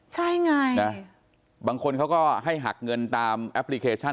ใช่ไงนะบางคนเขาก็ให้หักเงินตามแอปพลิเคชัน